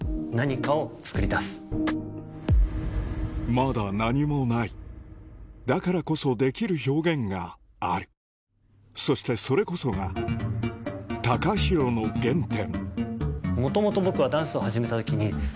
まだ何もないだからこそできる表現があるそしてそれこそがＴＡＫＡＨＩＲＯの原点